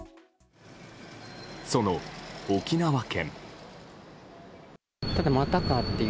その沖縄県。